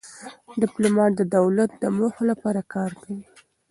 ډيپلومات د دولت د موخو لپاره کار کوي.